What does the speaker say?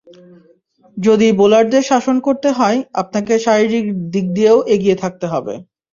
যদি বোলারদের শাসন করতে হয়, আপনাকে শারীরিক দিক দিয়েও এগিয়ে থাকতে হবে।